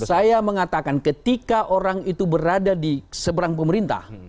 saya mengatakan ketika orang itu berada di seberang pemerintah